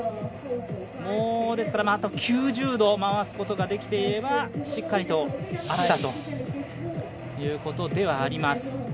あと９０度回すことができていればしっかりと合ったということではあります。